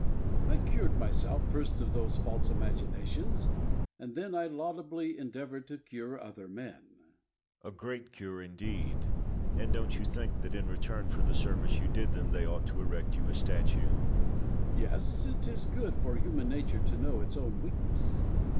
I cured myself first of those false imaginations, and then I laudably endeavoured to cure other men. Locke. A great cure, indeed! and don't you think that, in return for the service you did them, they ought to erect you a statue? Bayle. Yes; it is good for human nature to know its own weakness.